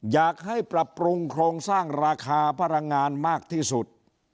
อยากให้ปรับปรุงโครงสร้างราคาพลังงานมากที่สุด